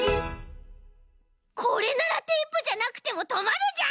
これならテープじゃなくてもとまるじゃん！